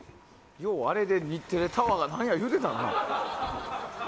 ようあれで日テレタワーが何だ言うてたな。